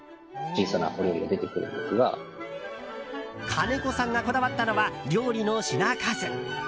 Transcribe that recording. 金子さんがこだわったのは料理の品数。